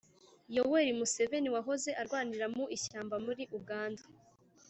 yoweri museveni wahoze arwanira mu ishyamba muri uganda,